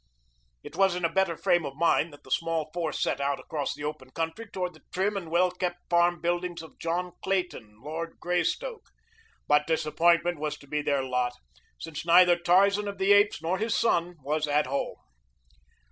It was in a better frame of mind that the small force set out across the open country toward the trim and well kept farm buildings of John Clayton, Lord Greystoke; but disappointment was to be their lot since neither Tarzan of the Apes nor his son was at home.